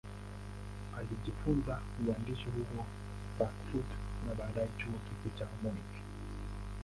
Alijifunza uhandisi huko Frankfurt na baadaye Chuo Kikuu cha Munich.